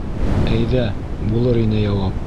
Әйҙә, - булыр ине яуап.